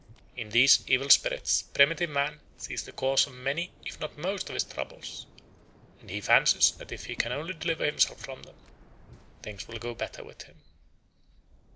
In these evil spirits primitive man sees the cause of many if not of most of his troubles, and he fancies that if he can only deliver himself from them, things will go better with him.